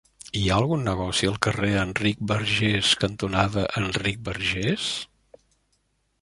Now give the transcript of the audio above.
Hi ha algun negoci al carrer Enric Bargés cantonada Enric Bargés?